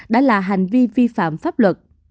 đã là hành vi vi phạm pháp luật